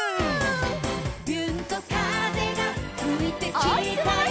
「びゅーんと風がふいてきたよ」